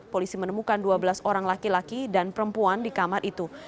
polisi menemukan dua belas orang laki laki dan perempuan di kamar itu